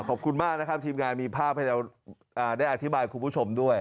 ขอบคุณมากนะครับทีมงานมีภาพให้เราได้อธิบายคุณผู้ชมด้วย